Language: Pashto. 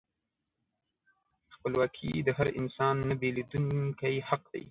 خپلواکي د هر انسان نهبیلېدونکی حق دی.